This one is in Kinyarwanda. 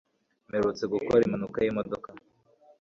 Mperutse gukora impanuka yimodoka.